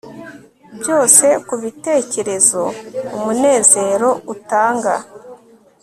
byose kubitekerezo umunezero utanga